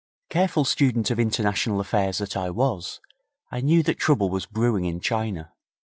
Careful student of international affairs that I was, I knew that trouble was brewing in China.